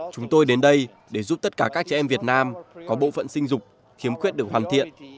chúng tôi đến đây để giúp tất cả các trẻ em việt nam có bộ phận sinh dục khiếm khuyết được hoàn thiện